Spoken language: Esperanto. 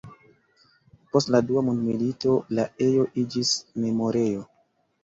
Post la dua mondmilito la ejo iĝis memorejo.